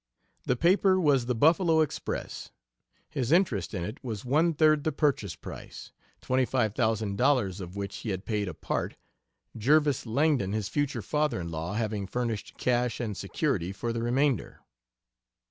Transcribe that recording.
The paper was the Buffalo Express; his interest in it was one third the purchase price, twenty five thousand dollars, of which he had paid a part, Jervis Langdon, his future father in law, having furnished cash and security for the remainder.